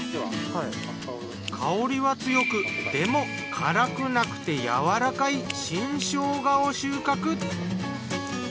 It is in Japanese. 香りは強くでも辛くなくてやわらかい新しょうがを収穫。